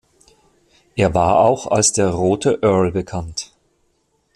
Er war auch als der „Rote Earl“ bekannt.